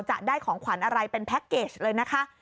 จะได้ของขวัญอะไรเป็นแพ็คเกจเลยนะคะ